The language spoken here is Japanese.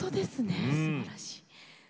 すばらしい。